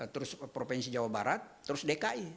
terus provinsi jawa barat terus dki